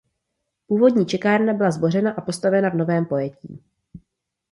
Původní čekárna byla zbořena a postavena v novém pojetí.